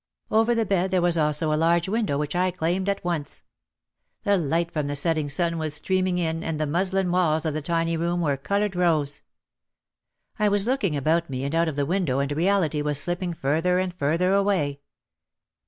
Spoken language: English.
Over the bed there was also a large window which I claimed at once. The light from the setting sun was streaming in and the muslin walls of the tiny room were coloured rose. I was looking about me and out of the window and reality was slipping further and further away.